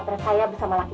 percaya dengan aku